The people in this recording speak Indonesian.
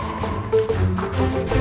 daya pun woi